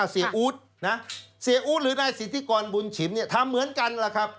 เสียอุธนะเสียอุธหรือในสิทธิกรบุญชิมเนี่ยทำเหมือนกันหรือครับ